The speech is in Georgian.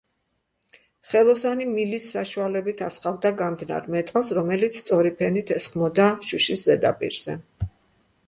ხელოსანი მილის საშუალებით ასხავდა გამდნარ მეტალს, რომელიც სწორი ფენით ესხმოდა შუშის ზედაპირზე.